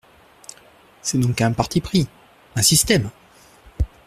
C’est donc un parti pris… un système !